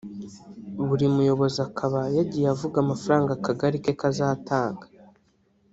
Buri muyobozi akaba yagiye avuga amafaranga akagari ke kazatanga